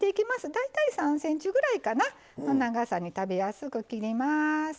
大体３ｃｍぐらいの長さに食べやすく切ります。